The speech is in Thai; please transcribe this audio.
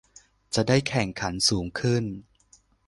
จะได้แข่งขันสูงขึ้น